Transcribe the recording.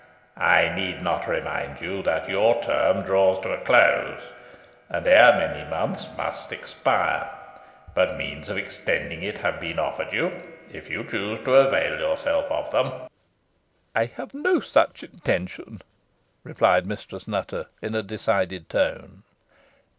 I need not remind you that your term draws to a close, and ere many months must expire; but means of extending it have been offered you, if you choose to avail yourself of them." "I have no such intention," replied Mistress Nutter, in a decided tone.